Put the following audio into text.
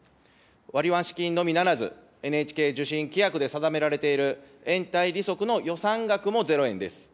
割増金のみならず、ＮＨＫ受信規約で定められている延滞利息の予算額もゼロ円です。